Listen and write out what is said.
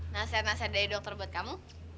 nasihat dari dokter buat kamu